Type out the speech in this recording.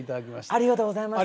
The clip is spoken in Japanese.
ありがとうございます。